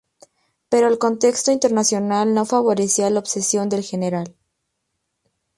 Pero el contexto internacional no favorecía la obsesión del general.